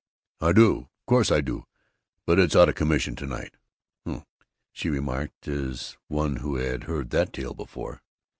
"I do. Of course I do! But it's out of commission to night." "Oh," she remarked, as one who had heard that tale before.